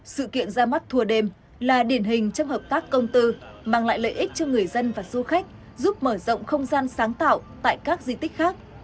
sự kiện ra mắt thua đêm là điển hình trong hợp tác công tư mang lại lợi ích cho người dân và du khách giúp mở rộng không gian sáng tạo tại các di tích khác